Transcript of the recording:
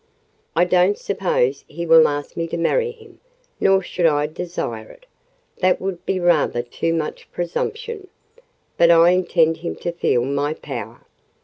"I don't suppose he will ask me to marry him, nor should I desire it: that would be rather too much presumption! but I intend him to feel my power.